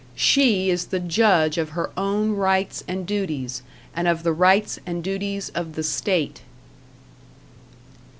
She is the judge of her own rights and duties, and of the rights and duties of the state.